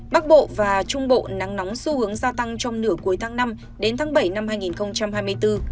bắc bộ và trung bộ nắng nóng xu hướng gia tăng trong nửa cuối tháng năm đến tháng bảy năm hai nghìn hai mươi bốn